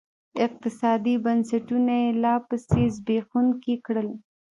اقتصادي بنسټونه یې لاپسې زبېښونکي کړل.